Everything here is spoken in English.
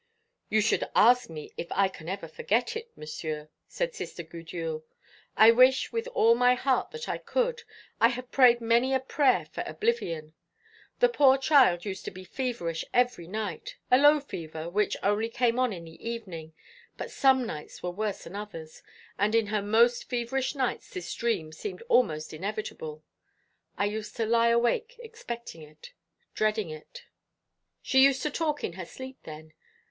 "You should ask me if I can forget it, Monsieur," said Sister Gudule. "I wish with all my heart that I could. I have prayed many a prayer for oblivion. The poor child used to be feverish every night a low fever, which only came on in the evening, but some nights were worse than others and in her most feverish nights this dream seemed almost inevitable. I used to lie awake expecting it, dreading it." "She used to talk in her sleep, then?"